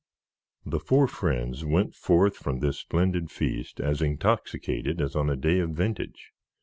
The four friends went forth from this splendid feast as intoxicated as on a day of vintage.